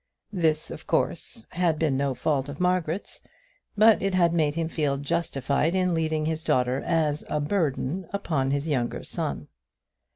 This, of course, had been no fault of Margaret's, but it had made him feel justified in leaving his daughter as a burden upon his younger son.